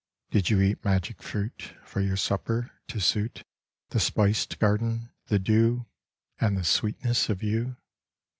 Did you eat magic fruit For your supper to suit The spiced garden, the dew, And the sweetness of you?